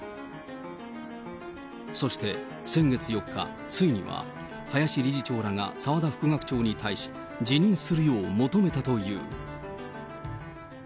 そして、先月４日、ついには林理事長らが澤田副学長に対し、辞任するよう求めたという。